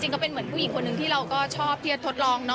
จริงก็เป็นเหมือนผู้หญิคนหนึ่งที่เราก็ชอบทดลอง